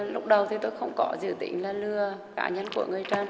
lúc đầu thì tôi không có dự tình là lừa cá nhân của người ta